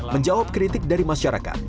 menjawab kritik dari masyarakat